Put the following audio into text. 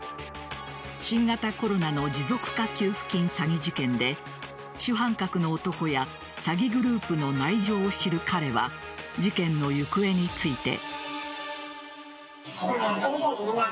新型コロナの持続化給付金詐欺事件で主犯格の男や詐欺グループの内情を知る彼は事件の行方について。